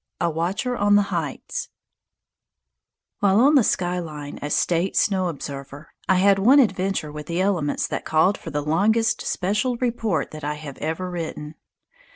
A Watcher on the Heights While on the sky line as State Snow Observer, I had one adventure with the elements that called for the longest special report that I have ever written.